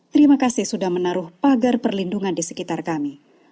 terima kasih sudah menaruh pagar perlindungan di sekitar kami